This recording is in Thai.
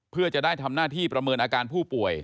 เพื่อจะได้ทำหน้าที่ประเมินอาการผู้ป่วย